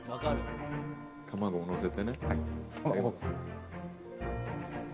卵を載せてね。